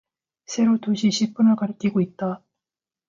새로 두시 십 분을 가리키고 있다.